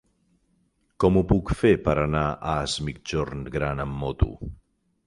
Com ho puc fer per anar a Es Migjorn Gran amb moto?